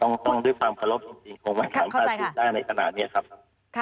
ต้องด้วยความประโลภจริงผมไม่ความประสิทธิ์ได้ในขณะนี้ครับ